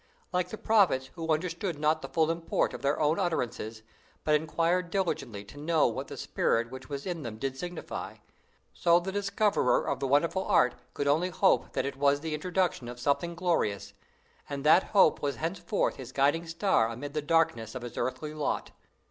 Like the prophets who understood not the full import of their own utterances, but inquired diligently to know what the spirit which was in them did signify, so the discoverer of the wonderful art could only hope that it was the introduction of something glorious; and that hope was thenceforth his guiding star amid the darkness of his earthly lot.